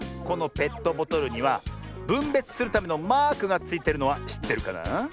このペットボトルにはぶんべつするためのマークがついてるのはしってるかなあ？